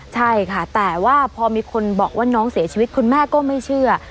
ใช่ค่ะแต่ว่าพอมีคนบอกว่าน้องเสียชีวิตคุณแม่ก็ไม่เชื่อ